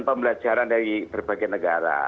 pembelajaran dari berbagai negara